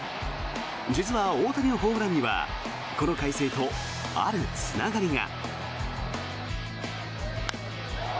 実は大谷のホームランにはこの快晴と、あるつながりが。